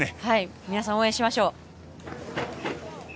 皆さん、応援しましょう！